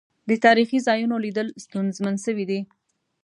د تاريخي ځا يونوليدل ستونزمن سويدی.